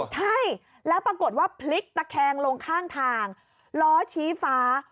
ใช่แล้วปรากฏว่าพลิกตะแคงลงข้างทางล้อชี้ฟ้า